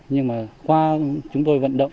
nhưng mà qua chúng tôi vận động